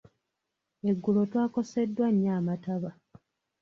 Eggulo twakoseddwa nnyo amataba.